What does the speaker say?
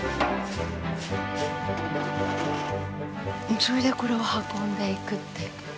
それでこれを運んでいくって。